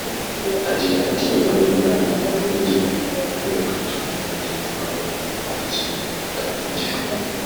Agira ati “Intore yimana indi ntugatume mugenzi wawe abura ikintu kandi ugifite